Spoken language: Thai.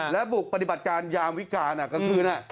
และบุกปฏิบัติการยามวิการกลางคืน